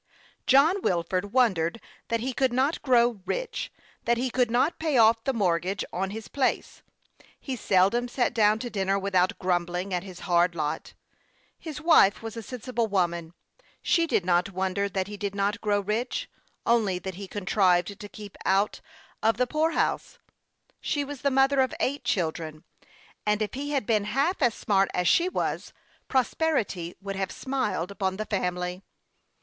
John Wilford wondered that he could not grow rich, that he could not pay off the mortgage on his place. He seldom sat down to dinner without grum bling at his hard lot. His wife was a sensible wo 3 26 HASTE AND WASTE, OR man. She did not wonder that he did not grow rich ; only that he contrived to keep out of the poorhouse. She was the mother of eight children, and if he had been half as smart as she was, pros perity would have smiled upon the family.